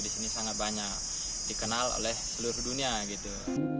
di sini sangat banyak dikenal oleh seluruh dunia gitu